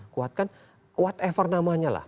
kuatkan whatever namanya lah